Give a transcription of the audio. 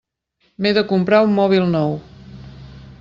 M'he de comprar un mòbil nou.